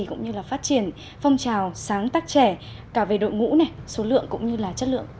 cũng như là phát triển phong trào sáng tác trẻ cả về đội ngũ này số lượng cũng như là chất lượng